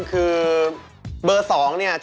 คือเบอร์๒เนี่ย